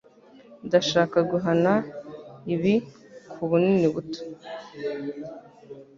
Ndashaka guhana ibi kubunini buto.